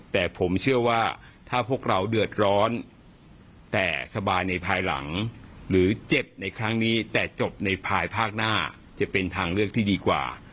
แต่ผมเชื่อว่าถ้าพวกเราเดือดร้อนแต่สบายในภายหลังหรือเจ็บในครั้งนี้แต่จบในภายภาคหน้าจะเป็นทางเลือกที่ดีกว่า